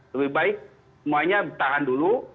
lebih baik semuanya tahan dulu